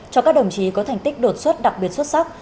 cho các đồng chí có thành tích đột xuất đặc biệt xuất sắc